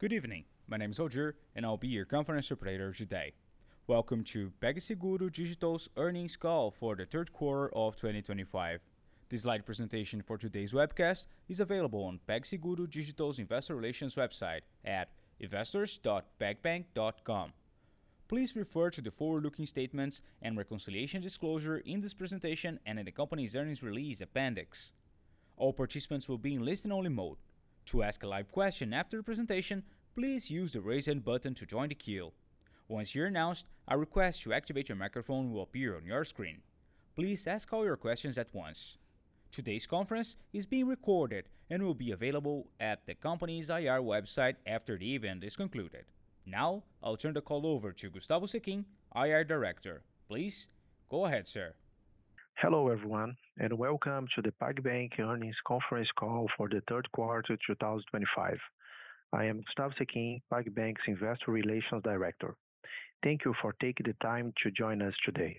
Good evening. My name is Oger, and I'll be your conference operator today. Welcome to PagSeguro Digital's earnings call for the third quarter of 2025. This live presentation for today's webcast is available on PagSeguro Digital's Investor Relations website at investors.pagbank.com. Please refer to the forward-looking statements and reconciliation disclosure in this presentation and in the company's earnings release appendix. All participants will be in listen-only mode. To ask a live question after the presentation, please use the Raise Hand button to join the queue. Once you're announced, a request to activate your microphone will appear on your screen. Please ask all your questions at once. Today's conference is being recorded and will be available at the company's IR website after the event is concluded. Now, I'll turn the call over to Gustavo Sechin, IR Director. Please go ahead, sir. Hello everyone, and welcome to the PagBank earnings conference call for the third quarter 2025. I am Gustavo Sechin, PagBank's Investor Relations Director. Thank you for taking the time to join us today.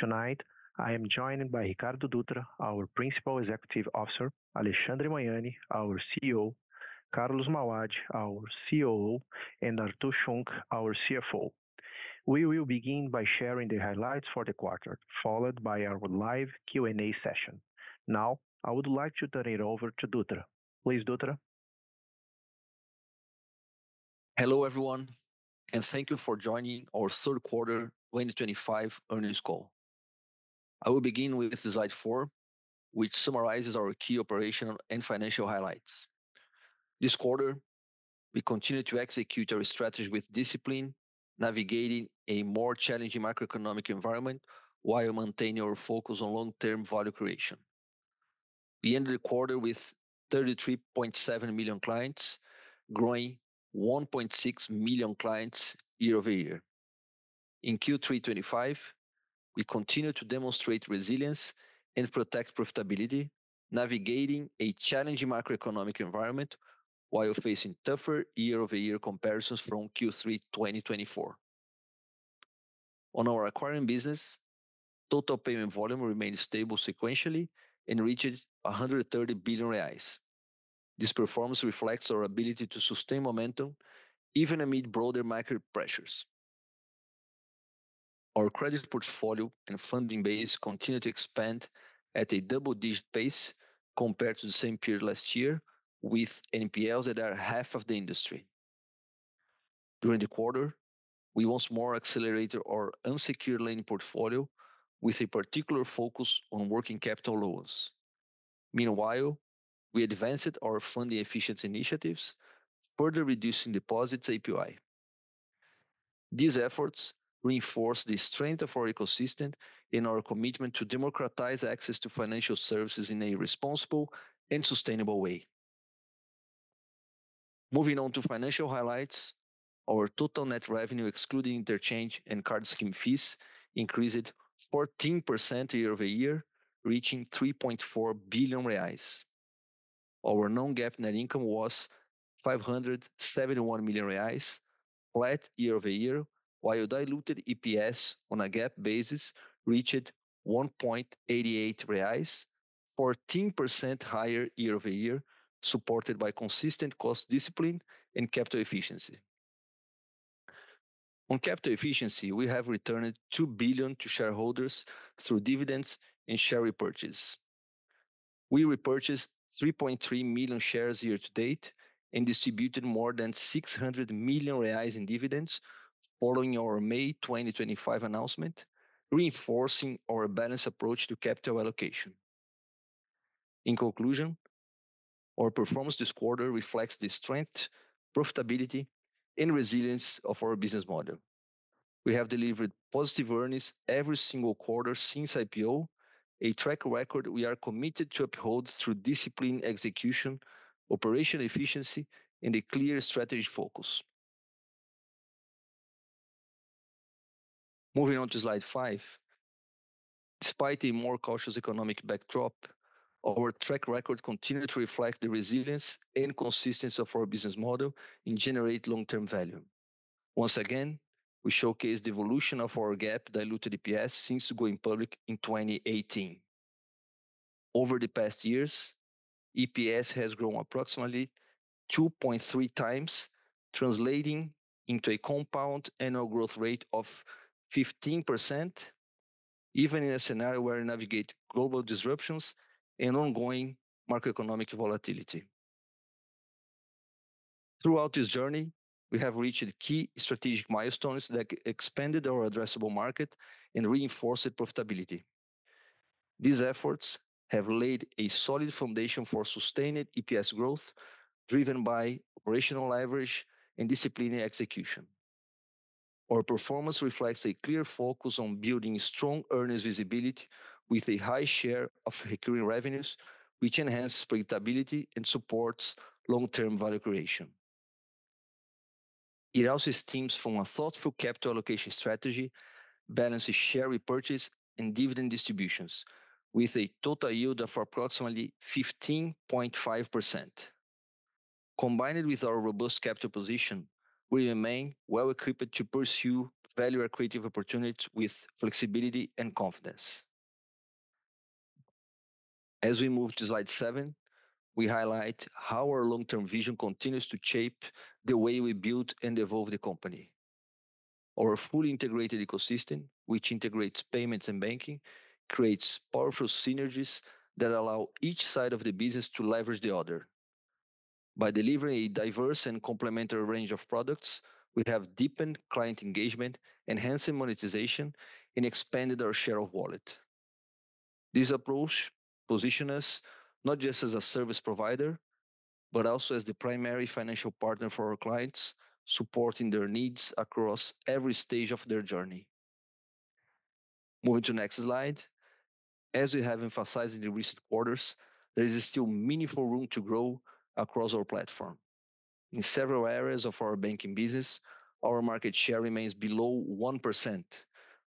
Tonight, I am joined by Ricardo Dutra, our Principal Executive Officer; Alexandre Mauad, our CEO; Carlos Mauad, our COO; and Artur Schunck, our CFO. We will begin by sharing the highlights for the quarter, followed by our live Q&A session. Now, I would like to turn it over to Dutra. Please, Dutra. Hello everyone, and thank you for joining our third quarter 2025 earnings call. I will begin with slide 4, which summarizes our key operational and financial highlights. This quarter, we continue to execute our strategy with discipline, navigating a more challenging macroeconomic environment while maintaining our focus on long-term value creation. We ended the quarter with 33.7 million clients, growing 1.6 million clients year-over-year. In Q3 2025, we continue to demonstrate resilience and protect profitability, navigating a challenging macroeconomic environment while facing tougher year-over-year comparisons from Q3 2024. On our acquiring business, total payment volume remained stable sequentially and reached 130 billion reais. This performance reflects our ability to sustain momentum even amid broader market pressures. Our credit portfolio and funding base continue to expand at a double-digit pace compared to the same period last year, with NPLs that are half of the industry. During the quarter, we once more accelerated our unsecured lending portfolio, with a particular focus on working capital loans. Meanwhile, we advanced our funding efficiency initiatives, further reducing deposits' API. These efforts reinforce the strength of our ecosystem and our commitment to democratize access to financial services in a responsible and sustainable way. Moving on to financial highlights, our total net revenue, excluding interchange and card scheme fees, increased 14% year-over-year, reaching 3.4 billion reais. Our non-GAAP net income was 571 million reais, flat year-over-year, while diluted EPS on a GAAP basis reached 1.88 reais, 14% higher year-over-year, supported by consistent cost discipline and capital efficiency. On capital efficiency, we have returned 2 billion to shareholders through dividends and share repurchase. We repurchased 3.3 million shares year to date and distributed more than 600 million reais in dividends, following our May 2025 announcement, reinforcing our balanced approach to capital allocation. In conclusion, our performance this quarter reflects the strength, profitability, and resilience of our business model. We have delivered positive earnings every single quarter since IPO, a track record we are committed to uphold through discipline execution, operational efficiency, and a clear strategy focus. Moving on to slide five, despite a more cautious economic backdrop, our track record continues to reflect the resilience and consistency of our business model in generating long-term value. Once again, we showcase the evolution of our GAAP-diluted EPS since going public in 2018. Over the past years, EPS has grown approximately 2.3x, translating into a compound annual growth rate of 15%, even in a scenario where we navigate global disruptions and ongoing macroeconomic volatility. Throughout this journey, we have reached key strategic milestones that expanded our addressable market and reinforced profitability. These efforts have laid a solid foundation for sustained EPS growth, driven by operational leverage and disciplined execution. Our performance reflects a clear focus on building strong earnings visibility with a high share of recurring revenues, which enhances profitability and supports long-term value creation. It also stems from a thoughtful capital allocation strategy, balancing share repurchase and dividend distributions, with a total yield of approximately 15.5%. Combined with our robust capital position, we remain well-equipped to pursue value-accretive opportunities with flexibility and confidence. As we move to slide seven, we highlight how our long-term vision continues to shape the way we build and evolve the company. Our fully integrated ecosystem, which integrates payments and banking, creates powerful synergies that allow each side of the business to leverage the other. By delivering a diverse and complementary range of products, we have deepened client engagement, enhanced monetization, and expanded our share of wallet. This approach positions us not just as a service provider, but also as the primary financial partner for our clients, supporting their needs across every stage of their journey. Moving to the next slide, as we have emphasized in the recent quarters, there is still meaningful room to grow across our platform. In several areas of our banking business, our market share remains below 1%,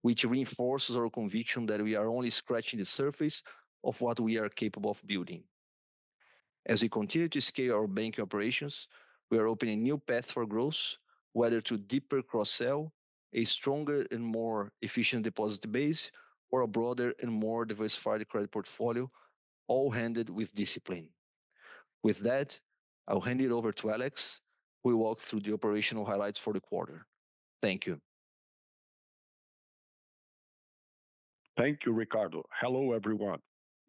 which reinforces our conviction that we are only scratching the surface of what we are capable of building. As we continue to scale our banking operations, we are opening a new path for growth, whether through deeper cross-sell, a stronger and more efficient deposit base, or a broader and more diversified credit portfolio, all handled with discipline. With that, I'll hand it over to Alex, who will walk through the operational highlights for the quarter. Thank you. Thank you, Ricardo. Hello everyone.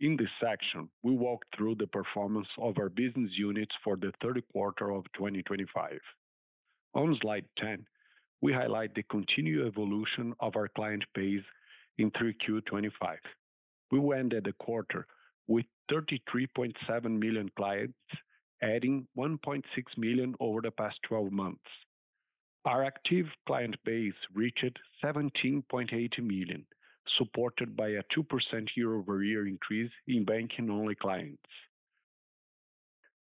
In this section, we walk through the performance of our business units for the third quarter of 2025. On slide 10, we highlight the continued evolution of our client base in Q3 2025. We ended the quarter with 33.7 million clients, adding 1.6 million over the past 12 months. Our active client base reached 17.8 million, supported by a 2% year-over-year increase in banking-only clients.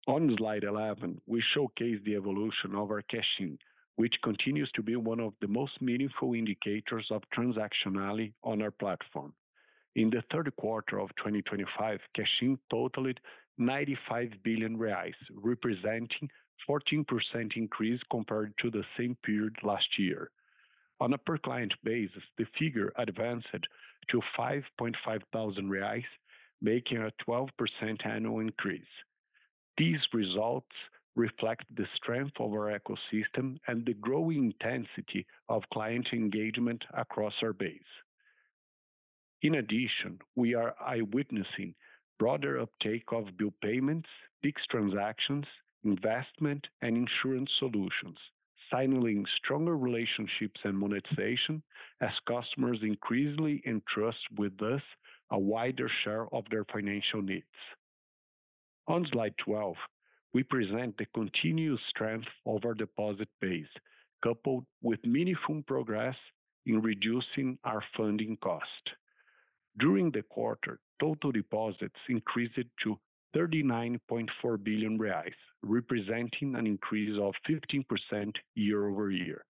On slide 11, we showcase the evolution of our cash-in, which continues to be one of the most meaningful indicators of transactionality on our platform. In the third quarter of 2025, cash-in totaled 95 billion reais, representing a 14% increase compared to the same period last year. On a per-client basis, the figure advanced to 5,500 reais, making a 12% annual increase. These results reflect the strength of our ecosystem and the growing intensity of client engagement across our base. In addition, we are eyewitnessing broader uptake of bill payments, fixed transactions, investment, and insurance solutions, signaling stronger relationships and monetization as customers increasingly entrust with us a wider share of their financial needs. On slide 12, we present the continued strength of our deposit base, coupled with meaningful progress in reducing our funding cost. During the quarter, total deposits increased to 39.4 billion reais, representing an increase of 15% year-over-year.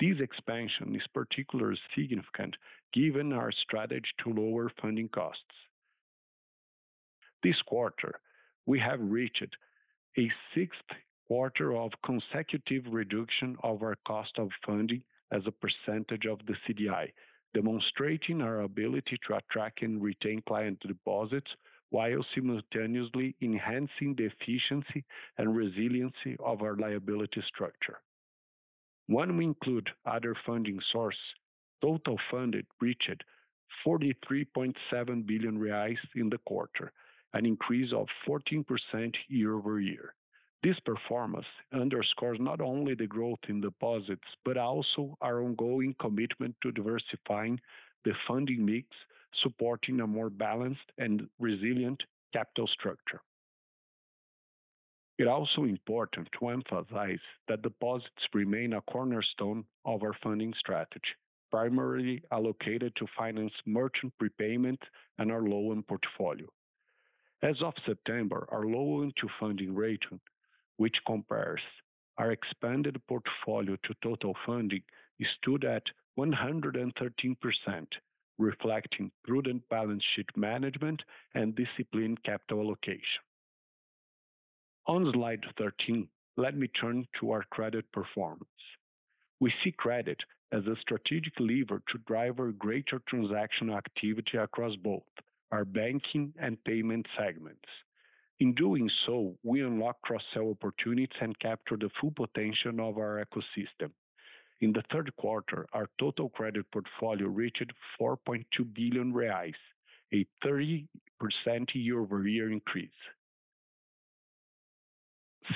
This expansion is particularly significant given our strategy to lower funding costs. This quarter, we have reached a sixth quarter of consecutive reduction of our cost of funding as a percentage of the CDI, demonstrating our ability to attract and retain client deposits while simultaneously enhancing the efficiency and resiliency of our liability structure. When we include other funding sources, total funded reached 43.7 billion reais in the quarter, an increase of 14% year-over-year. This performance underscores not only the growth in deposits but also our ongoing commitment to diversifying the funding mix, supporting a more balanced and resilient capital structure. It is also important to emphasize that deposits remain a cornerstone of our funding strategy, primarily allocated to finance merchant prepayment and our loan portfolio. As of September, our loan-to-funding ratio, which compares our expanded portfolio to total funding, stood at 113%, reflecting prudent balance sheet management and disciplined capital allocation. On slide 13, let me turn to our credit performance. We see credit as a strategic lever to drive our greater transactional activity across both our banking and payment segments. In doing so, we unlock cross-sell opportunities and capture the full potential of our ecosystem. In the third quarter, our total credit portfolio reached 4.2 billion reais, a 30% year-over-year increase.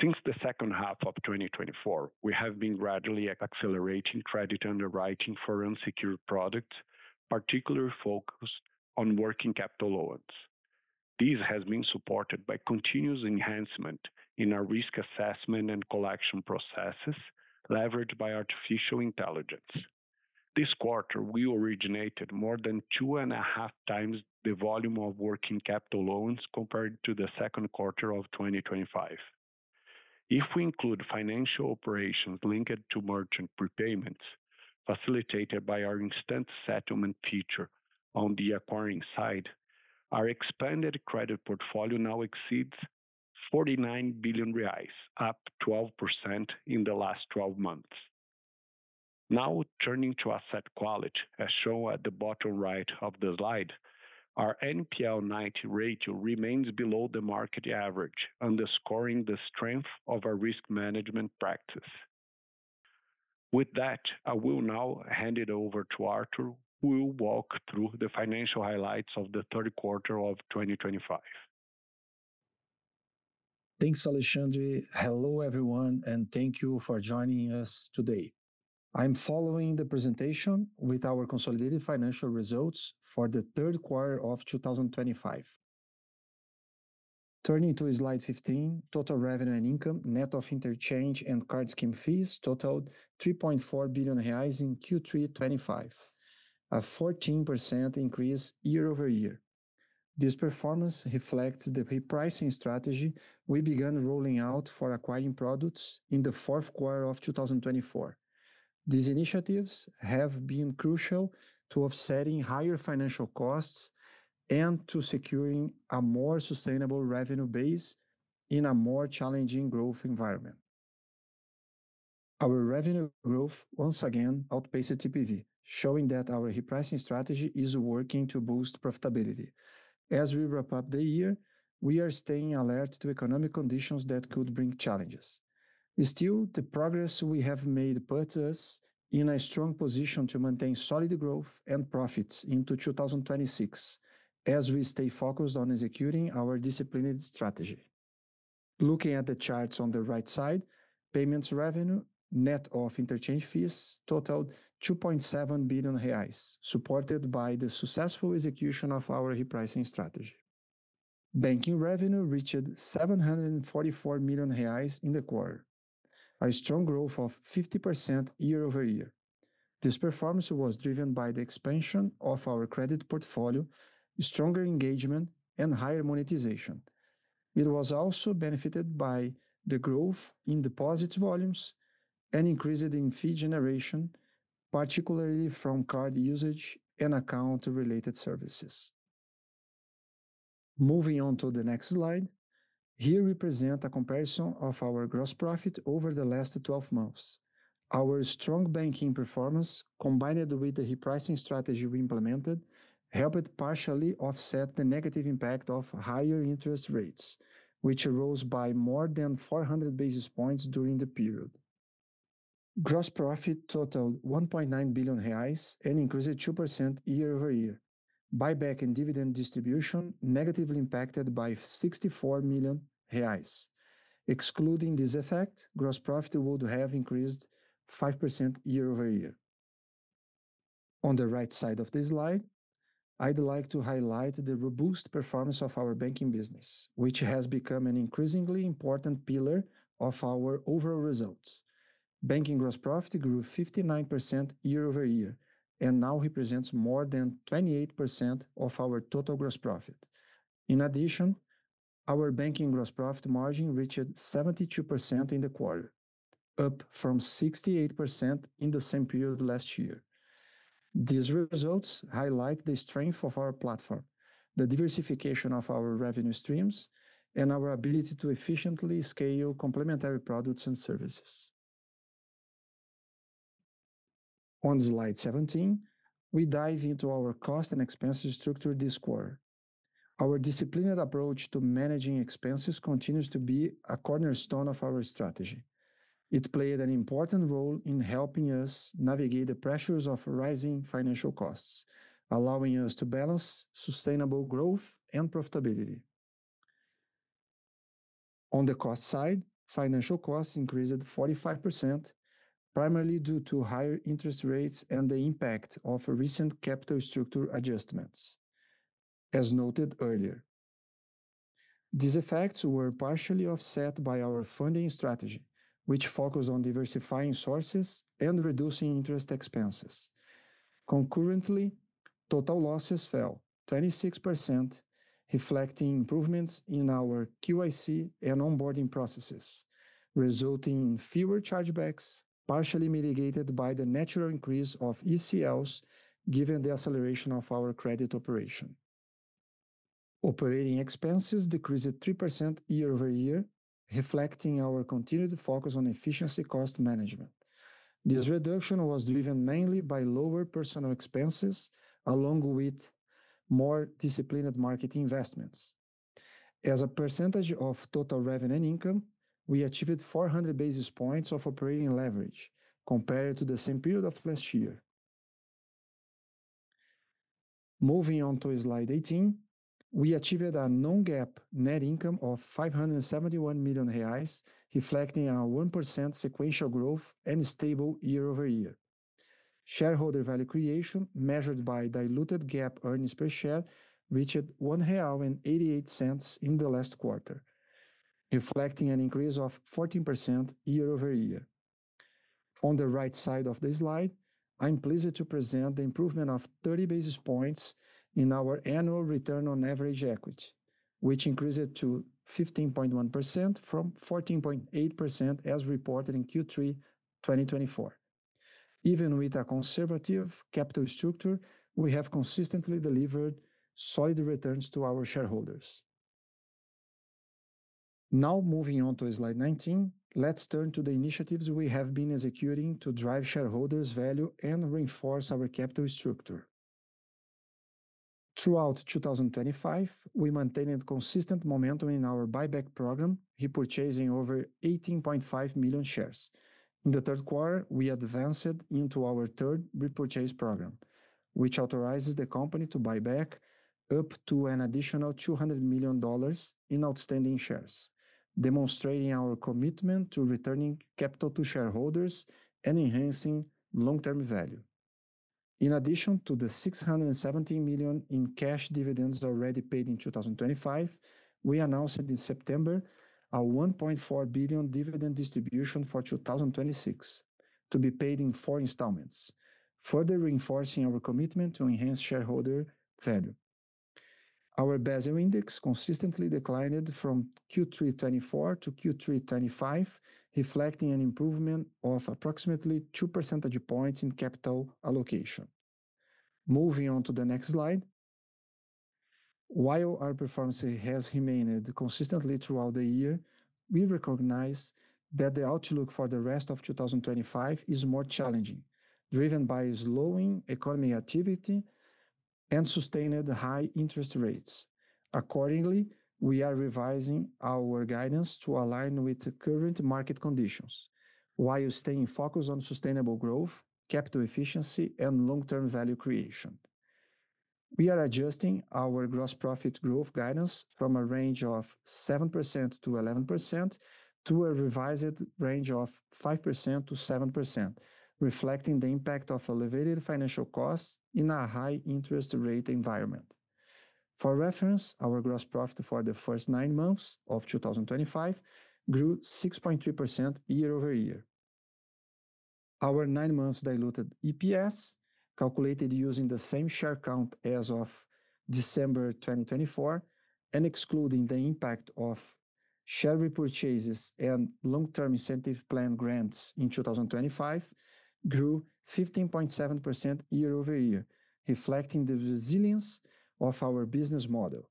Since the second half of 2024, we have been gradually accelerating credit underwriting for unsecured products, particularly focused on working capital loans. This has been supported by continuous enhancement in our risk assessment and collection processes leveraged by artificial intelligence. This quarter, we originated more than 2.5x the volume of working capital loans compared to the second quarter of 2025. If we include financial operations linked to merchant prepayments, facilitated by our instant settlement feature on the acquiring side, our expanded credit portfolio now exceeds 49 billion reais, up 12% in the last 12 months. Now, turning to asset quality, as shown at the bottom right of the slide, our NPL 90 ratio remains below the market average, underscoring the strength of our risk management practice. With that, I will now hand it over to Artur, who will walk through the financial highlights of the third quarter of 2025. Thanks, Alexandre. Hello everyone, and thank you for joining us today. I'm following the presentation with our consolidated financial results for the third quarter of 2025. Turning to slide 15, total revenue and income, net of interchange and card scheme fees, totaled 3.4 billion reais in Q3 2025, a 14% increase year-over-year. This performance reflects the repricing strategy we began rolling out for acquiring products in the fourth quarter of 2024. These initiatives have been crucial to offsetting higher financial costs and to securing a more sustainable revenue base in a more challenging growth environment. Our revenue growth once again outpaced TPV, showing that our repricing strategy is working to boost profitability. As we wrap up the year, we are staying alert to economic conditions that could bring challenges. Still, the progress we have made puts us in a strong position to maintain solid growth and profits into 2026, as we stay focused on executing our disciplined strategy. Looking at the charts on the right side, payments revenue, net of interchange fees, totaled 2.7 billion reais, supported by the successful execution of our repricing strategy. Banking revenue reached 744 million reais in the quarter, a strong growth of 50% year-over-year. This performance was driven by the expansion of our credit portfolio, stronger engagement, and higher monetization. It was also benefited by the growth in deposits volumes and increases in fee generation, particularly from card usage and account-related services. Moving on to the next slide, here we present a comparison of our gross profit over the last 12 months. Our strong banking performance, combined with the repricing strategy we implemented, helped partially offset the negative impact of higher interest rates, which rose by more than 400 basis points during the period. Gross profit totaled 1.9 billion reais and increased 2% year-over-year. Buyback and dividend distribution negatively impacted by 64 million reais. Excluding this effect, gross profit would have increased 5% year-over-year. On the right side of the slide, I'd like to highlight the robust performance of our banking business, which has become an increasingly important pillar of our overall results. Banking gross profit grew 59% year-over-year and now represents more than 28% of our total gross profit. In addition, our banking gross profit margin reached 72% in the quarter, up from 68% in the same period last year. These results highlight the strength of our platform, the diversification of our revenue streams, and our ability to efficiently scale complementary products and services. On slide 17, we dive into our cost and expenses structure this quarter. Our disciplined approach to managing expenses continues to be a cornerstone of our strategy. It played an important role in helping us navigate the pressures of rising financial costs, allowing us to balance sustainable growth and profitability. On the cost side, financial costs increased 45%, primarily due to higher interest rates and the impact of recent capital structure adjustments, as noted earlier. These effects were partially offset by our funding strategy, which focused on diversifying sources and reducing interest expenses. Concurrently, total losses fell 26%, reflecting improvements in our QIC and onboarding processes, resulting in fewer chargebacks, partially mitigated by the natural increase of ECLs given the acceleration of our credit operation. Operating expenses decreased 3% year-over-year, reflecting our continued focus on efficiency cost management. This reduction was driven mainly by lower personnel expenses, along with more disciplined market investments. As a percentage of total revenue and income, we achieved 400 basis points of operating leverage compared to the same period of last year. Moving on to slide 18, we achieved a non-GAAP net income of 571 million reais, reflecting a 1% sequential growth and stable year-over-year. Shareholder value creation, measured by diluted GAAP earnings per share, reached 1.88 real in the last quarter, reflecting an increase of 14% year-over-year. On the right side of the slide, I am pleased to present the improvement of 30 basis points in our annual return on average equity, which increased to 15.1% from 14.8% as reported in Q3 2024. Even with a conservative capital structure, we have consistently delivered solid returns to our shareholders. Now, moving on to slide 19, let's turn to the initiatives we have been executing to drive shareholders' value and reinforce our capital structure. Throughout 2025, we maintained consistent momentum in our buyback program, repurchasing over 18.5 million shares. In the third quarter, we advanced into our third repurchase program, which authorizes the company to buy back up to an additional $200 million in outstanding shares, demonstrating our commitment to returning capital to shareholders and enhancing long-term value. In addition to the $670 million in cash dividends already paid in 2025, we announced in September a $1.4 billion dividend distribution for 2026 to be paid in four installments, further reinforcing our commitment to enhance shareholder value. Our BESIR index consistently declined from Q3 2024 to Q3 2025, reflecting an improvement of approximately 2 percentage points in capital allocation. Moving on to the next slide. While our performance has remained consistent throughout the year, we recognize that the outlook for the rest of 2025 is more challenging, driven by slowing economic activity and sustained high interest rates. Accordingly, we are revising our guidance to align with current market conditions, while staying focused on sustainable growth, capital efficiency, and long-term value creation. We are adjusting our gross profit growth guidance from a range of 7%-11% to a revised range of 5%-7%, reflecting the impact of elevated financial costs in a high interest rate environment. For reference, our gross profit for the first nine months of 2025 grew 6.3% year-over-year. Our nine-month diluted EPS, calculated using the same share count as of December 2024 and excluding the impact of share repurchases and long-term incentive plan grants in 2025, grew 15.7% year-over-year, reflecting the resilience of our business model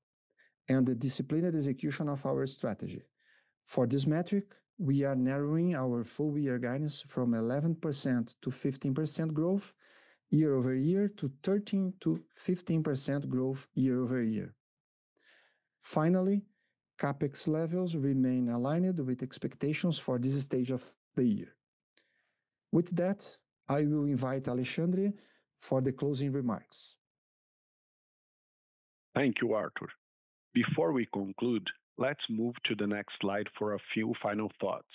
and the disciplined execution of our strategy. For this metric, we are narrowing our full-year guidance from 11%-15% growth year-over-year to 13%-15% growth year-over-year. Finally, CapEx levels remain aligned with expectations for this stage of the year. With that, I will invite Alexandre for the closing remarks. Thank you, Artur. Before we conclude, let's move to the next slide for a few final thoughts.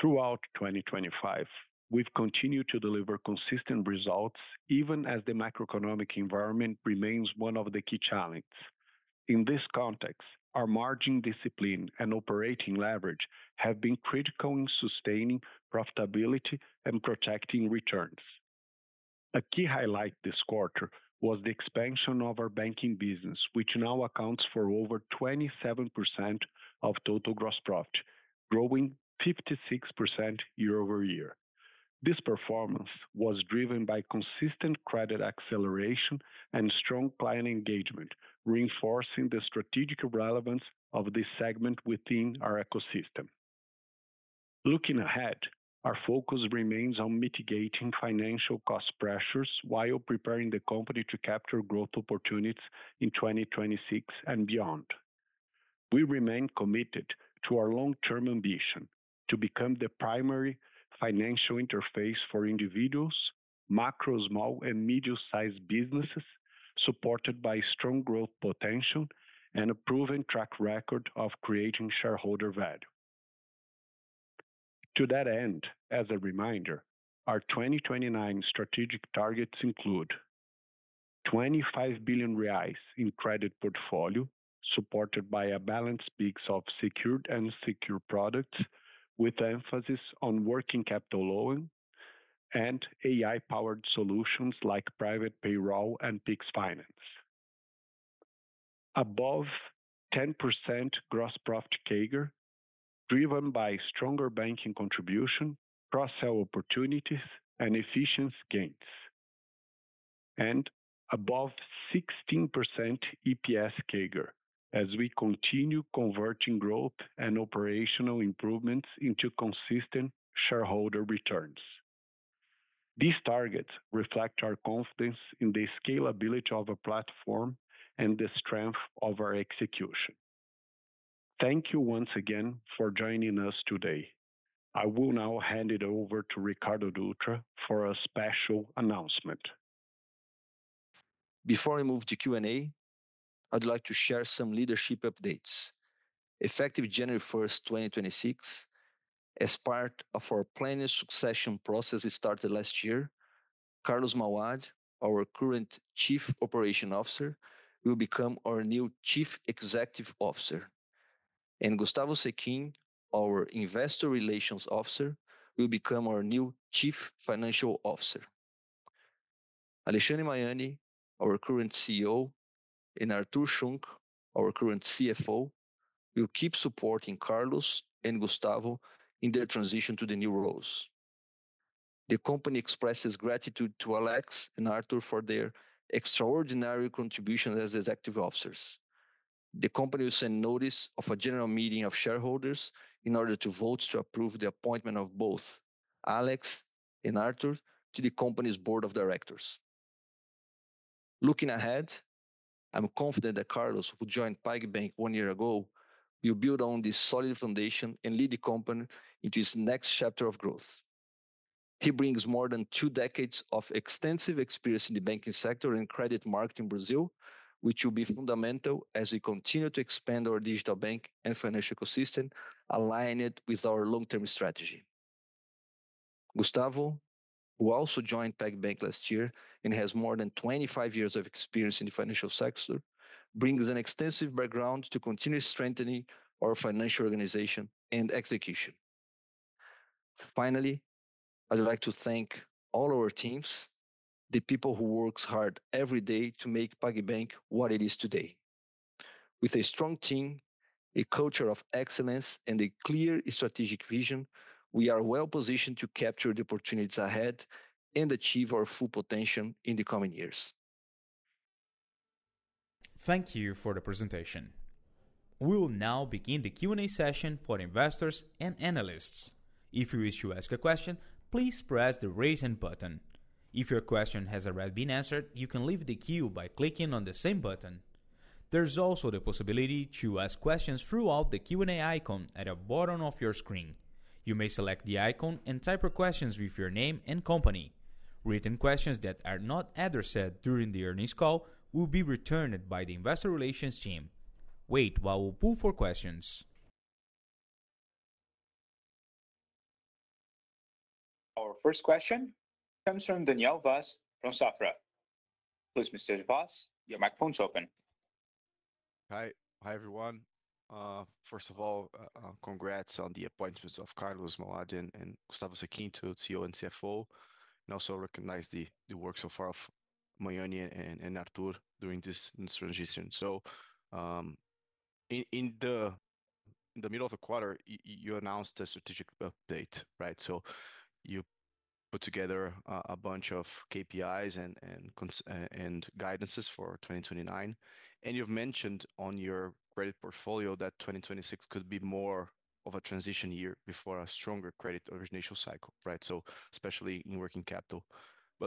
Throughout 2025, we've continued to deliver consistent results even as the macroeconomic environment remains one of the key challenges. In this context, our margin discipline and operating leverage have been critical in sustaining profitability and protecting returns. A key highlight this quarter was the expansion of our banking business, which now accounts for over 27% of total gross profit, growing 56% year-over-year. This performance was driven by consistent credit acceleration and strong client engagement, reinforcing the strategic relevance of this segment within our ecosystem. Looking ahead, our focus remains on mitigating financial cost pressures while preparing the company to capture growth opportunities in 2026 and beyond. We remain committed to our long-term ambition to become the primary financial interface for individuals, macro, small, and medium-sized businesses, supported by strong growth potential and a proven track record of creating shareholder value. To that end, as a reminder, our 2029 strategic targets include 25 billion reais in credit portfolio, supported by a balanced mix of secured and unsecured products, with emphasis on working capital loans and AI-powered solutions like private payroll and PIX financing. Above 10% gross profit CAGR, driven by stronger banking contribution, cross-sell opportunities, and efficiency gains. Above 16% EPS CAGR, as we continue converting growth and operational improvements into consistent shareholder returns. These targets reflect our confidence in the scalability of our platform and the strength of our execution. Thank you once again for joining us today. I will now hand it over to Ricardo Dutra for a special announcement. Before I move to Q&A, I'd like to share some leadership updates. Effective January 1, 2026, as part of our planned succession process started last year, Carlos Mauad, our current Chief Operations Officer, will become our new Chief Executive Officer. Gustavo Sechin, our Investor Relations Officer, will become our new Chief Financial Officer. Alexandre Mauad, our current CEO, and Artur Schunck, our current CFO, will keep supporting Carlos and Gustavo in their transition to the new roles. The company expresses gratitude to Alex and Artur for their extraordinary contributions as executive officers. The company will send notice of a general meeting of shareholders in order to vote to approve the appointment of both Alex and Artur to the company's board of directors. Looking ahead, I'm confident that Carlos, who joined PagBank one year ago, will build on this solid foundation and lead the company into its next chapter of growth. He brings more than two decades of extensive experience in the banking sector and credit market in Brazil, which will be fundamental as we continue to expand our digital bank and financial ecosystem, aligning it with our long-term strategy. Gustavo, who also joined PagBank last year and has more than 25 years of experience in the financial sector, brings an extensive background to continue strengthening our financial organization and execution. Finally, I'd like to thank all our teams, the people who work hard every day to make PagBank what it is today. With a strong team, a culture of excellence, and a clear strategic vision, we are well positioned to capture the opportunities ahead and achieve our full potential in the coming years. Thank you for the presentation. We'll now begin the Q&A session for investors and analysts. If you wish to ask a question, please press the Raise Hand button. If your question has already been answered, you can leave the queue by clicking on the same button. There's also the possibility to ask questions throughout the Q&A icon at the bottom of your screen. You may select the icon and type your questions with your name and company. Written questions that are not answered during the earnings call will be returned by the Investor Relations team. Wait while we pull for questions. Our first question comes from Daniel Vaz from Safra. Please, Mr. Vaz, your microphone's open. Hi, everyone. First of all, congrats on the appointments of Carlos Mauad and Gustavo Sechin to COO and CFO, and also recognize the work so far of Mauad and Artur during this transition. In the middle of the quarter, you announced a strategic update, right? You put together a bunch of KPIs and guidances for 2029. You have mentioned on your credit portfolio that 2026 could be more of a transition year before a stronger credit origination cycle, right? Especially in working capital.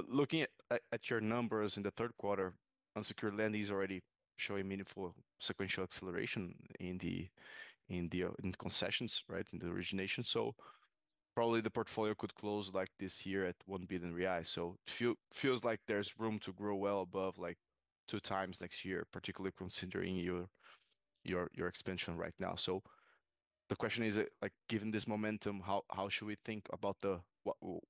Looking at your numbers in the third quarter, unsecured lending is already showing meaningful sequential acceleration in the concessions, right? In the origination. Probably the portfolio could close this year at 1 billion reais. It feels like there is room to grow well above 2x next year, particularly considering your expansion right now. The question is, given this momentum, how should we think about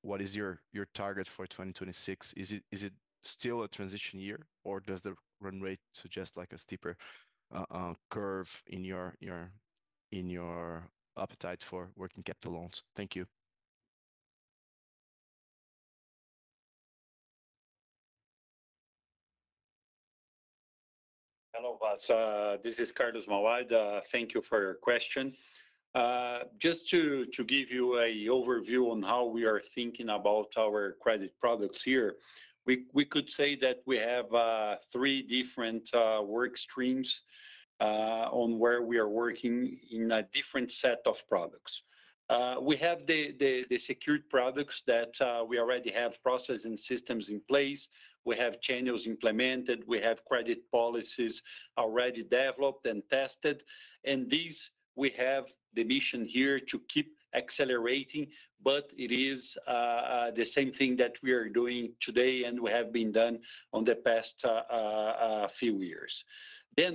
what is your target for 2026? Is it still a transition year, or does the run rate suggest like a steeper curve in your appetite for working capital loans? Thank you. Hello, Vaz. This is Carlos Mauad. Thank you for your question. Just to give you an overview on how we are thinking about our credit products here, we could say that we have three different work streams on where we are working in a different set of products. We have the secured products that we already have processes and systems in place. We have channels implemented. We have credit policies already developed and tested. In these, we have the mission here to keep accelerating, but it is the same thing that we are doing today and we have been doing in the past few years.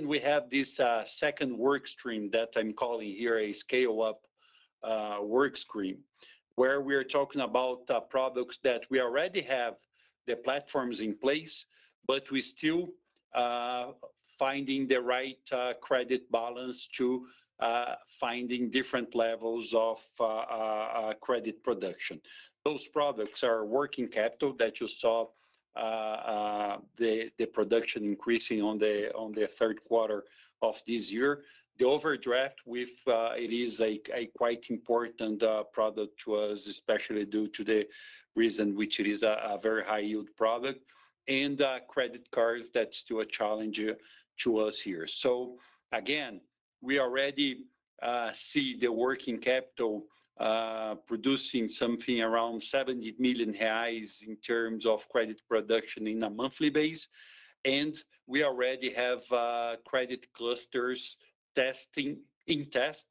We have this second work stream that I'm calling here a scale-up work stream, where we are talking about products that we already have the platforms in place, but we're still finding the right credit balance to finding different levels of credit production. Those products are working capital that you saw the production increasing on the third quarter of this year. The overdraft, it is a quite important product to us, especially due to the reason which it is a very high-yield product. And credit cards, that's still a challenge to us here. Again, we already see the working capital producing something around 70 million reais in terms of credit production on a monthly base. We already have credit clusters in test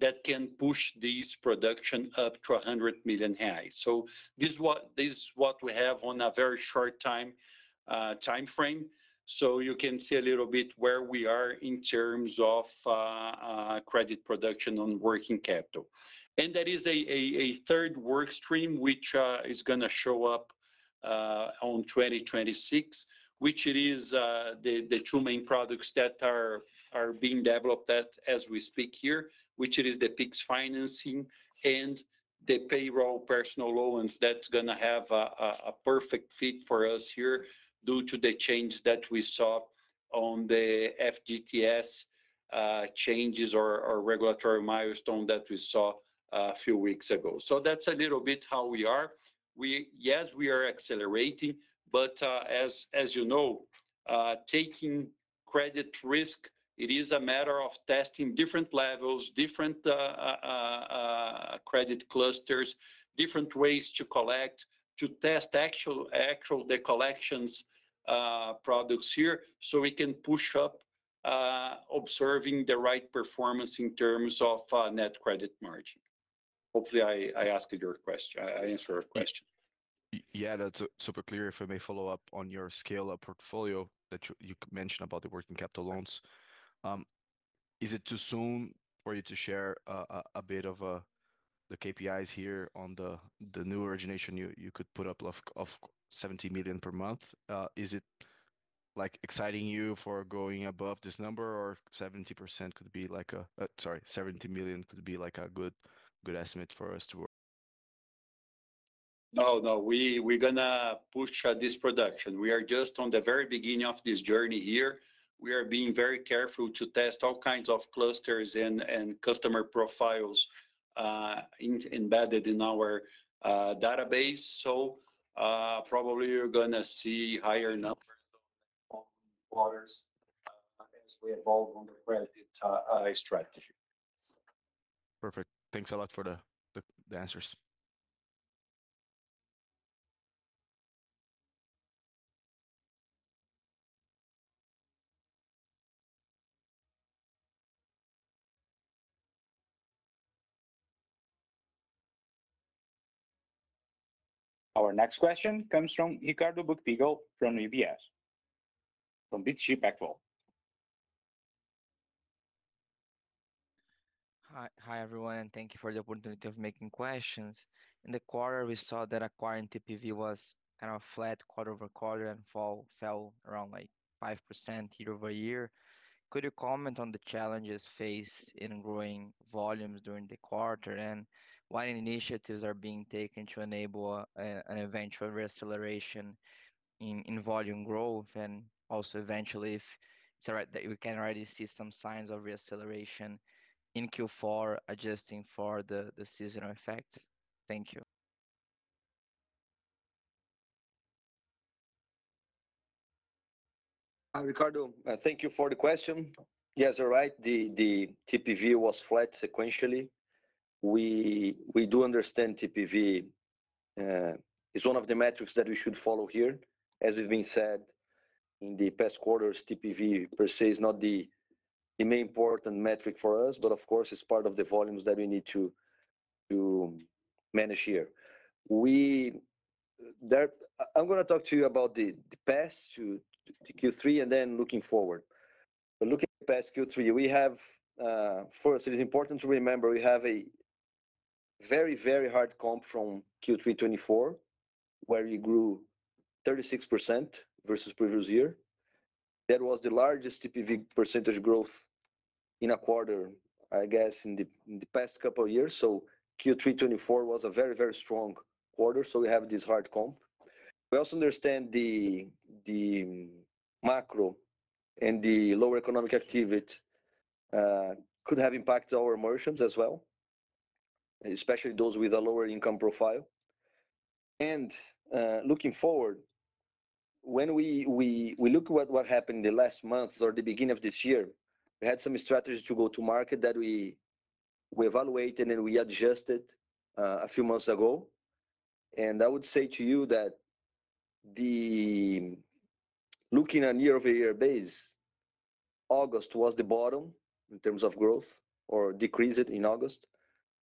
that can push this production up to 100 million reais. This is what we have on a very short time frame. You can see a little bit where we are in terms of credit production on working capital. There is a third work stream which is going to show up in 2026, which is the two main products that are being developed as we speak here, which is the PIX financing and the payroll personal loans that are going to have a perfect fit for us here due to the change that we saw on the FGTS changes or regulatory milestone that we saw a few weeks ago. That is a little bit how we are. Yes, we are accelerating, but as you know, taking credit risk, it is a matter of testing different levels, different credit clusters, different ways to collect, to test actual the collections products here so we can push up, observing the right performance in terms of net credit margin. Hopefully, I answered your question. Yeah, that's super clear. If I may follow up on your scale-up portfolio that you mentioned about the working capital loans, is it too soon for you to share a bit of the KPIs here on the new origination you could put up of 70 million per month? Is it exciting you for going above this number, or 70 million could be like a, sorry, 70 million could be like a good estimate for us to work? No, no, we're going to push this production. We are just at the very beginning of this journey here. We are being very careful to test all kinds of clusters and customer profiles embedded in our database. Probably you're going to see higher numbers in the following quarters as we evolve on the credit strategy. Perfect. Thanks a lot for the answers. Our next question comes from Ricardo Buchpiguel from UBS, from BTG Pactual. Hi, everyone. Thank you for the opportunity of making questions. In the quarter, we saw that acquiring TPV was kind of a flat quarter over quarter and fell around 5% year-over-year. Could you comment on the challenges faced in growing volumes during the quarter and what initiatives are being taken to enable an eventual reacceleration in volume growth? Also, eventually, if we can already see some signs of reacceleration in Q4, adjusting for the seasonal effects? Thank you. Ricardo, thank you for the question. Yes, all right. The TPV was flat sequentially. We do understand TPV is one of the metrics that we should follow here. As we've been said, in the past quarters, TPV per se is not the main important metric for us, but of course, it's part of the volumes that we need to manage here. I'm going to talk to you about the past Q3 and then looking forward. Looking at past Q3, we have, first, it is important to remember we have a very, very hard comp from Q3 2024, where we grew 36% versus previous year. That was the largest TPV percentage growth in a quarter, I guess, in the past couple of years. Q3 2024 was a very, very strong quarter. We have this hard comp. We also understand the macro and the lower economic activity could have impacted our emotions as well, especially those with a lower income profile. Looking forward, when we look at what happened in the last months or the beginning of this year, we had some strategies to go to market that we evaluated and we adjusted a few months ago. I would say to you that looking on a year-over-year base, August was the bottom in terms of growth or decrease in August.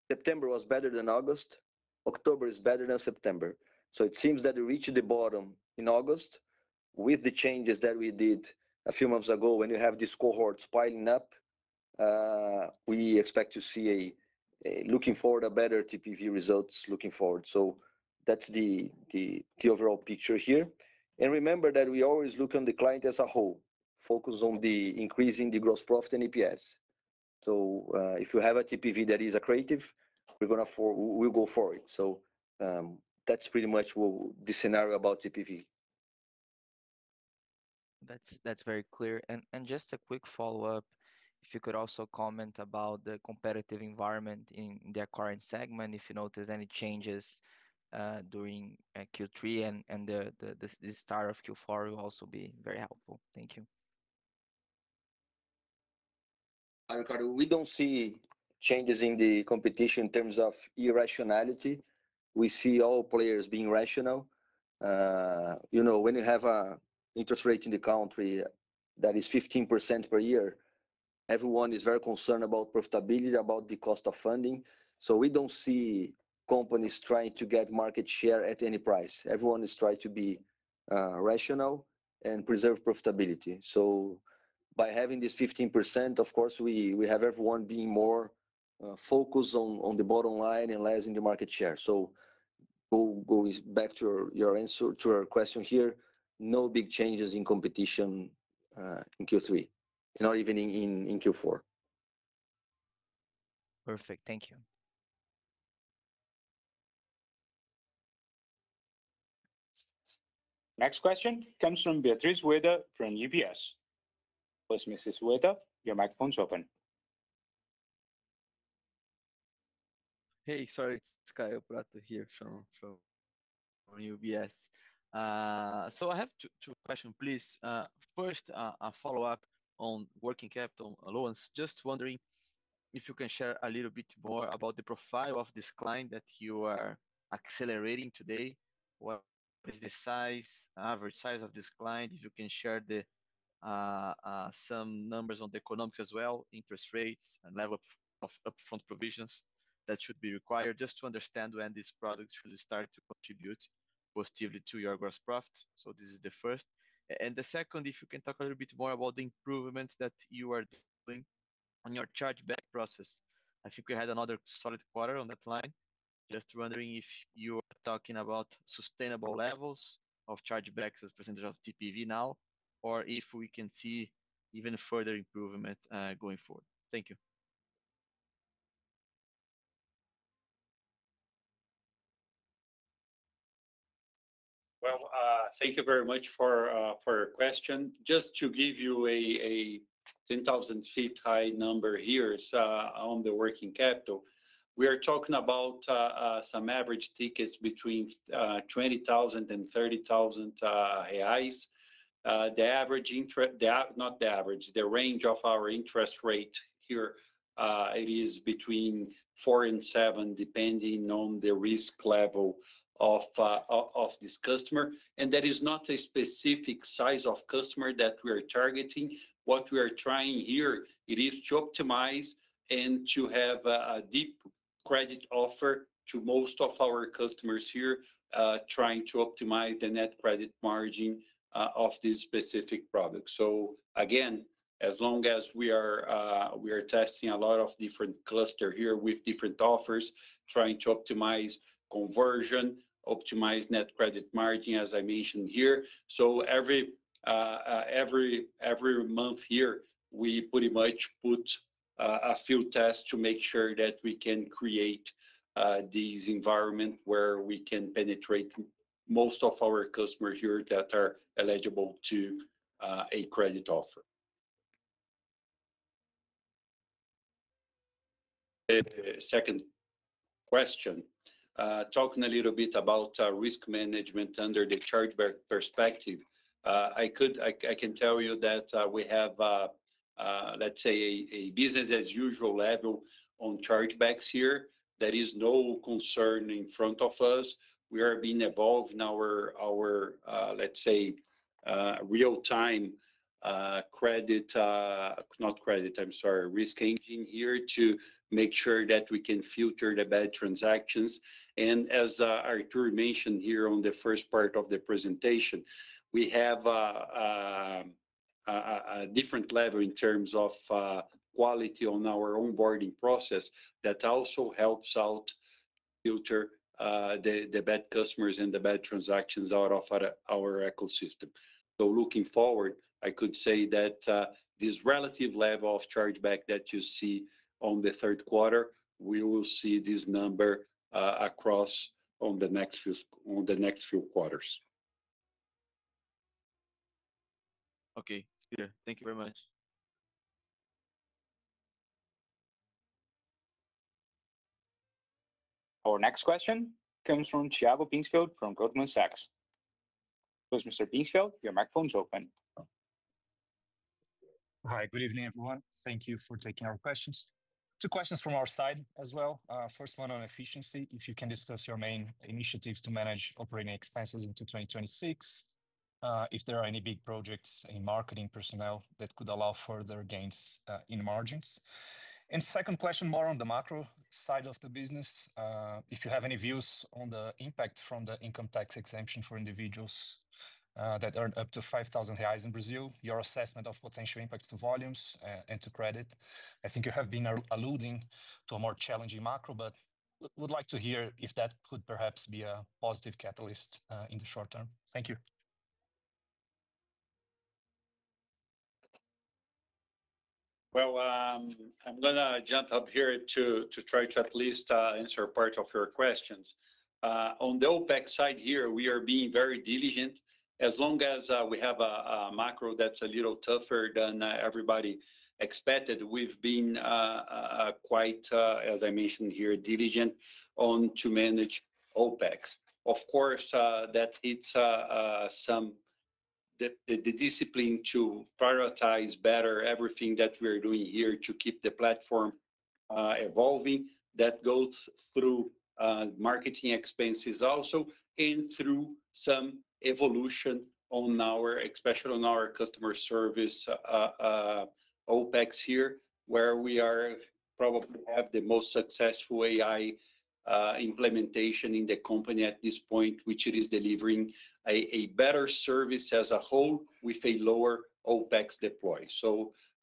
September was better than August. October is better than September. It seems that we reached the bottom in August with the changes that we did a few months ago when you have these cohorts piling up. We expect to see, looking forward, better TPV results looking forward. That is the overall picture here. Remember that we always look on the client as a whole, focus on increasing the gross profit and EPS. If you have a TPV that is accretive, we're going to go for it. That is pretty much the scenario about TPV. That's very clear. Just a quick follow-up, if you could also comment about the competitive environment in the current segment, if you notice any changes during Q3 and the start of Q4 will also be very helpful. Thank you. Ricardo, we do not see changes in the competition in terms of irrationality. We see all players being rational. When you have an interest rate in the country that is 15% per year, everyone is very concerned about profitability, about the cost of funding. We do not see companies trying to get market share at any price. Everyone is trying to be rational and preserve profitability. By having this 15%, of course, we have everyone being more focused on the bottom line and less in the market share. Going back to your question here, no big changes in competition in Q3, not even in Q4. Perfect. Thank you. Next question comes from Beatriz Ueda from UBS. Please, Mrs. Ueda, your microphone's open. Hey, sorry, it's Kaio Prato here from UBS. I have two questions, please. First, a follow-up on working capital loans. Just wondering if you can share a little bit more about the profile of this client that you are accelerating today. What is the average size of this client? If you can share some numbers on the economics as well, interest rates and level of upfront provisions that should be required just to understand when these products should start to contribute positively to your gross profit. This is the first. The second, if you can talk a little bit more about the improvements that you are doing on your chargeback process. I think we had another solid quarter on that line. Just wondering if you are talking about sustainable levels of chargebacks as percentage of TPV now, or if we can see even further improvement going forward. Thank you. Thank you very much for your question. Just to give you a 10,000 ft high number here on the working capital, we are talking about some average tickets between 20,000 and 30,000 reais. The average, not the average, the range of our interest rate here, it is between 4 and 7, depending on the risk level of this customer. That is not a specific size of customer that we are targeting. What we are trying here, it is to optimize and to have a deep credit offer to most of our customers here, trying to optimize the net credit margin of this specific product. Again, as long as we are testing a lot of different clusters here with different offers, trying to optimize conversion, optimize net credit margin, as I mentioned here. Every month here, we pretty much put a few tests to make sure that we can create these environments where we can penetrate most of our customers here that are eligible to a credit offer. Second question, talking a little bit about risk management under the chargeback perspective, I can tell you that we have, let's say, a business-as-usual level on chargebacks here. There is no concern in front of us. We are being evolved in our, let's say, real-time risk engine here to make sure that we can filter the bad transactions. As Artur mentioned here on the first part of the presentation, we have a different level in terms of quality on our onboarding process that also helps out to filter the bad customers and the bad transactions out of our ecosystem. Looking forward, I could say that this relative level of chargeback that you see on the third quarter, we will see this number across the next few quarters. Okay, thank you very much. Our next question comes from Tiago Binsfeld from Goldman Sachs. Please, Mr. Binsfeld, your microphone's open. Hi, good evening, everyone. Thank you for taking our questions. Two questions from our side as well. First one on efficiency, if you can discuss your main initiatives to manage operating expenses into 2026, if there are any big projects in marketing personnel that could allow further gains in margins. Second question, more on the macro side of the business, if you have any views on the impact from the income tax exemption for individuals that earn up to 5,000 reais in Brazil, your assessment of potential impacts to volumes and to credit. I think you have been alluding to a more challenging macro, but would like to hear if that could perhaps be a positive catalyst in the short term. Thank you. I'm going to jump up here to try to at least answer part of your questions. On the OpEx side here, we are being very diligent. As long as we have a macro that's a little tougher than everybody expected, we've been quite, as I mentioned here, diligent to manage OpEx. Of course, that hits the discipline to prioritize better everything that we are doing here to keep the platform evolving. That goes through marketing expenses also and through some evolution on our, especially on our customer service OpEx here, where we probably have the most successful AI implementation in the company at this point, which is delivering a better service as a whole with a lower OpEx deploy.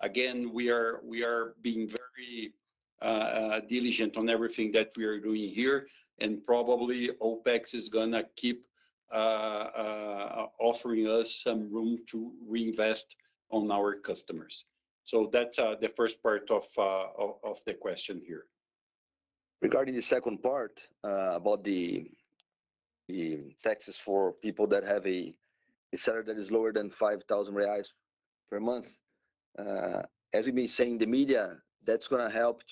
Again, we are being very diligent on everything that we are doing here. OpEx is going to keep offering us some room to reinvest on our customers. That's the first part of the question here. Regarding the second part about the taxes for people that have a salary that is lower than 5,000 reais per month, as we've been saying in the media, that's going to help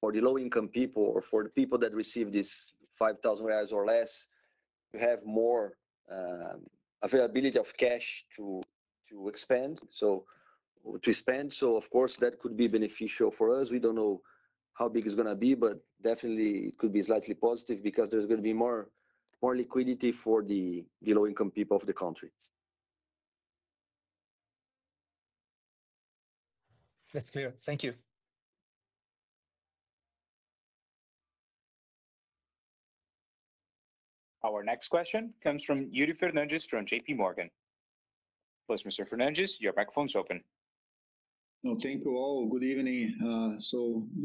for the low-income people or for the people that receive this 5,000 reais or less, to have more availability of cash to expand, to spend. Of course, that could be beneficial for us. We don't know how big it's going to be, but definitely it could be slightly positive because there's going to be more liquidity for the low-income people of the country. That's clear. Thank you. Our next question comes from Yuri Fernandes from JPMorgan. Please, Mr. Fernandes, your microphone's open. Thank you all. Good evening.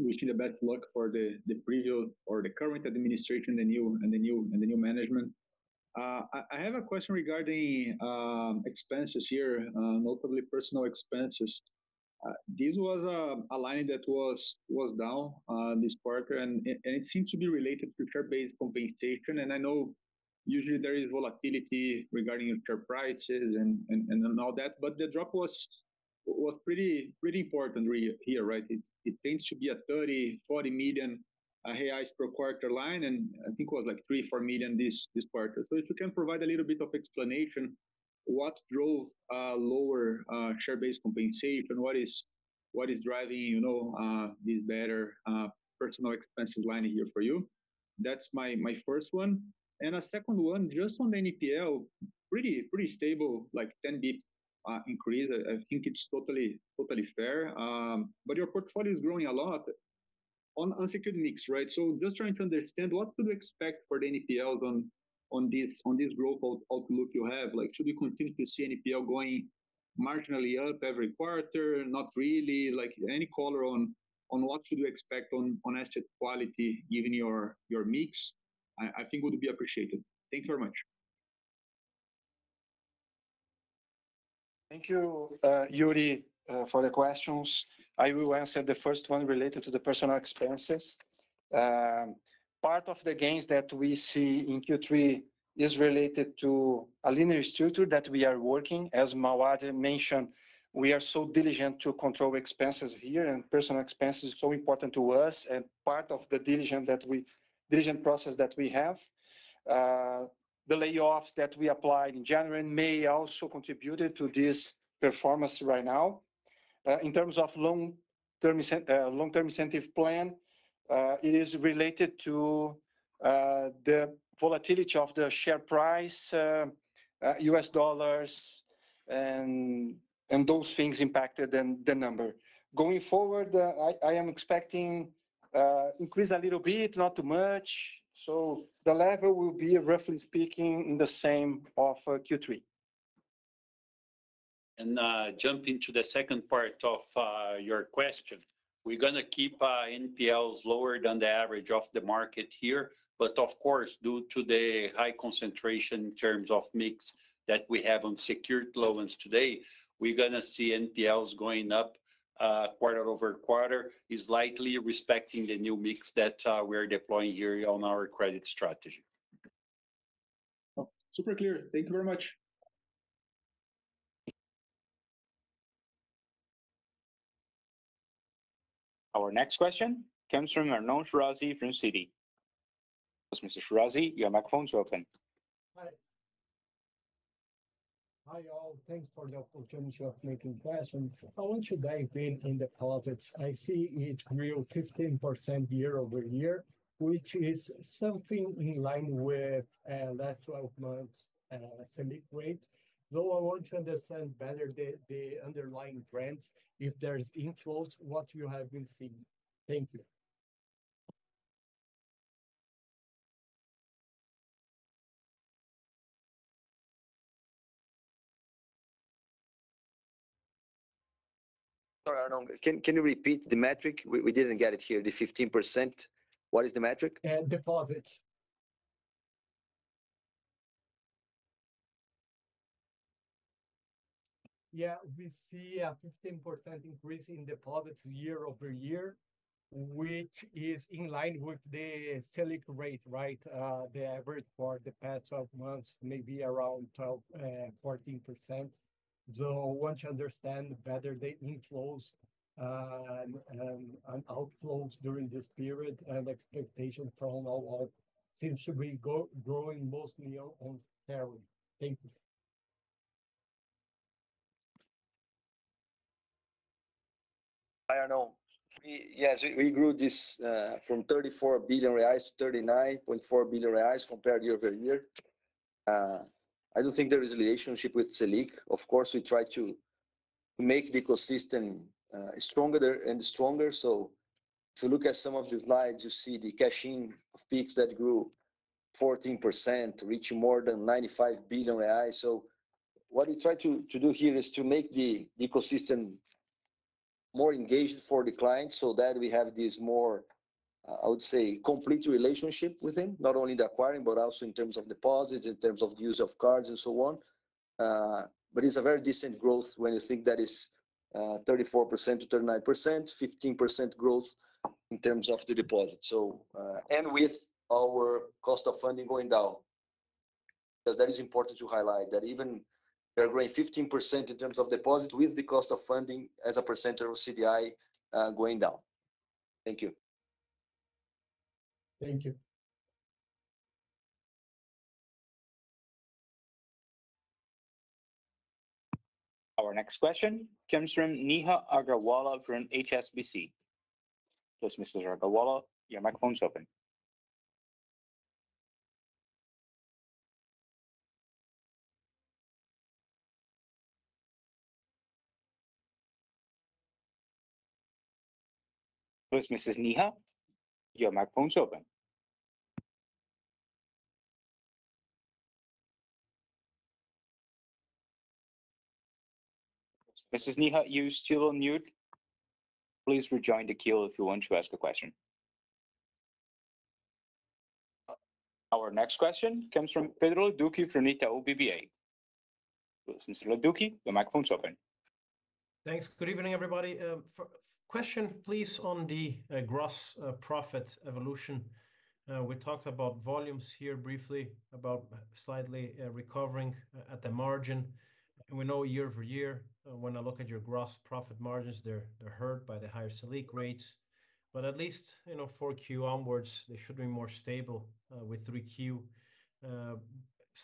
Wishing the best luck for the previous or the current administration and the new management. I have a question regarding expenses here, notably personnel expenses. This was a line that was down this quarter, and it seems to be related to share-based compensation. I know usually there is volatility regarding share prices and all that, but the drop was pretty important here, right? It tends to be a 30 million-40 million reais per quarter line, and I think it was like 3 million this quarter. If you can provide a little bit of explanation, what drove lower share-based compensation, what is driving this better personnel expenses line here for you? That is my first one. A second one, just on the NPL, pretty stable, like 10 million increase. I think it is totally fair. Your portfolio is growing a lot on security mix, right? Just trying to understand what to expect for the NPLs on this growth outlook you have. Should we continue to see NPL going marginally up every quarter? Not really. Any color on what should we expect on asset quality given your mix? I think it would be appreciated. Thank you very much. Thank you, Yuri, for the questions. I will answer the first one related to the personal expenses. Part of the gains that we see in Q3 is related to a linear structure that we are working. As Mauad mentioned, we are so diligent to control expenses here, and personal expenses are so important to us. Part of the diligent process that we have, the layoffs that we applied in January and May also contributed to this performance right now. In terms of long-term incentive plan, it is related to the volatility of the share price, U.S. dollars, and those things impacted the number. Going forward, I am expecting to increase a little bit, not too much. The level will be, roughly speaking, the same of Q3. Jumping to the second part of your question, we're going to keep NPLs lower than the average of the market here. Of course, due to the high concentration in terms of mix that we have on secured loans today, we're going to see NPLs going up quarter over quarter, likely respecting the new mix that we are deploying here on our credit strategy. Super clear. Thank you very much. Our next question comes from Arnon Shirazi from Citi. Please, Mr. Shirazi, your microphone's open. Hi all. Thanks for the opportunity of making questions. I want to dive in the profits. I see it grew 15% year-over-year, which is something in line with last 12 months' semi-grade. Though I want to understand better the underlying trends, if there's inflows, what you have been seeing. Thank you. Sorry, Arnon, can you repeat the metric? We did not get it here, the 15%. What is the metric? Deposits. Yeah, we see a 15% increase in deposits year-over-year, which is in line with the Selic rate, right? The average for the past 12 months, maybe around 12-14%. I want to understand better the inflows and outflows during this period, and expectation from all of seems to be growing mostly on sales. Thank you. Hi, Arnon. Yes, we grew this from 34 billion-39.4 billion reais compared year-over-year. I do not think there is a relationship with the Selic rate. Of course, we try to make the ecosystem stronger and stronger. If you look at some of the slides, you see the cash-in of PIX that grew 14%, reaching more than 95 billion. What we try to do here is to make the ecosystem more engaged for the client so that we have this more, I would say, complete relationship with them, not only the acquiring, but also in terms of deposits, in terms of the use of cards and so on. It is a very decent growth when you think that is 34 billion to 39 billion, 15% growth in terms of the deposits. With our cost of funding going down, because that is important to highlight that even though they are growing 15% in terms of deposits with the cost of funding as a percentage of CDI going down. Thank you. Thank you. Our next question comes from Neha Agarwala from HSBC. Please, Mr. Agarwala, your microphone's open. Please, Mrs. Neha, your microphone's open. Mrs. Neha, you still unmute? Please rejoin the queue if you want to ask a question. Our next question comes from Pedro Leduc from Itaú BBA. Please, Mr. Leduc, your microphone's open. Thanks. Good evening, everybody. Question, please, on the gross profit evolution. We talked about volumes here briefly, about slightly recovering at the margin. We know year-over-year, when I look at your gross profit margins, they're hurt by the higher Selic rates. At least for Q onwards, they should be more stable with R3Q.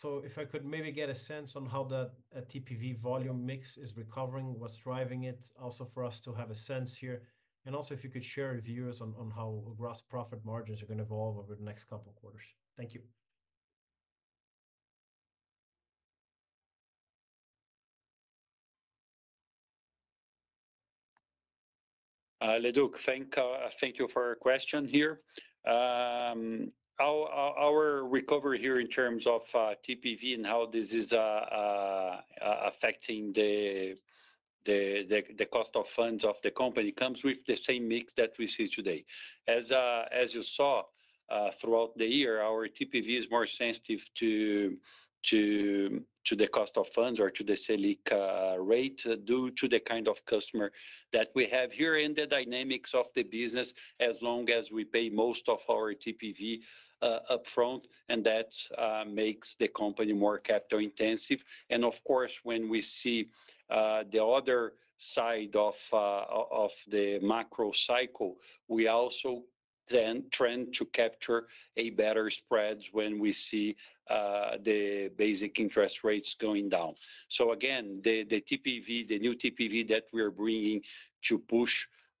If I could maybe get a sense on how that TPV volume mix is recovering, what's driving it, also for us to have a sense here. If you could share with viewers on how gross profit margins are going to evolve over the next couple of quarters. Thank you. Leduck, thank you for your question here. Our recovery here in terms of TPV and how this is affecting the cost of funds of the company comes with the same mix that we see today. As you saw throughout the year, our TPV is more sensitive to the cost of funds or to the Selic rate due to the kind of customer that we have here in the dynamics of the business, as long as we pay most of our TPV upfront, and that makes the company more capital intensive. Of course, when we see the other side of the macro cycle, we also then trend to capture a better spread when we see the basic interest rates going down. Again, the TPV, the new TPV that we are bringing to push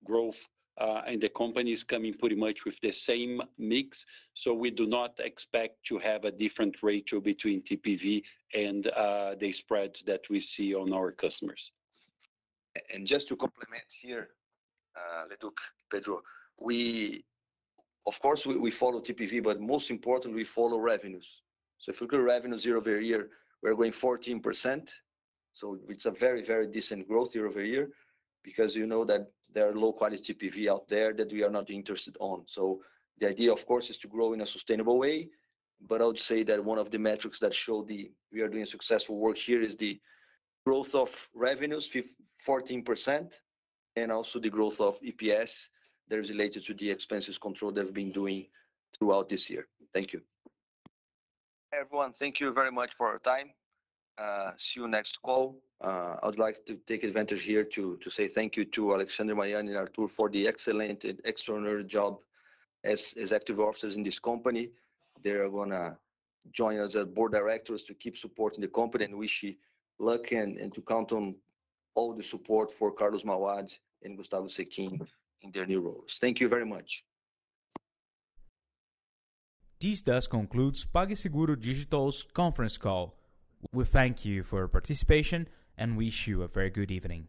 growth, and the company is coming pretty much with the same mix. We do not expect to have a different ratio between TPV and the spreads that we see on our customers. Just to complement here, Leduc Pedro, of course, we follow TPV, but most importantly, we follow revenues. If we look at revenues year-over-year, we are going 14%. It is a very, very decent growth year-over-year because you know that there are low-quality TPV out there that we are not interested in. The idea, of course, is to grow in a sustainable way. I would say that one of the metrics that show we are doing successful work here is the growth of revenues, 14%, and also the growth of EPS that is related to the expenses control that we have been doing throughout this year. Thank you. Everyone, thank you very much for your time. See you next call.I would like to take advantage here to say thank you to Alexandre Mauad and Artur Schunck for the excellent and extraordinary job as executive officers in this company. They are going to join us as board directors to keep supporting the company and wishing luck and to count on all the support for Carlos Mauad and Gustavo Sechin in their new roles. Thank you very much. This does conclude PagSeguro Digital's conference call. We thank you for your participation and wish you a very good evening.